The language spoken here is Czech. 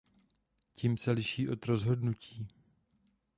Tím se liší od rozhodnutí.